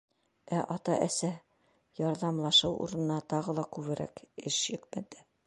Ә ата-әсә ярҙамлашыу урынына тағы ла күберәк эш йөкмәтә.